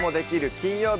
金曜日」